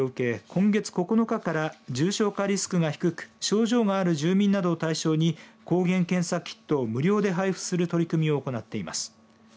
今月９日から重症化リスクが低く症状がある住民などを対象に抗原検査キットを無料で配布する取り組みを行っています。